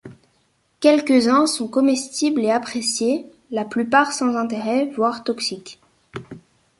Quelques-uns sont comestibles et appréciés, la plupart sans intérêt, voire toxiques.